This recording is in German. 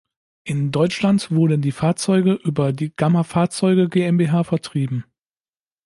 In Deutschland wurden die Fahrzeuge über die "Gamma Fahrzeuge GmbH" vertrieben.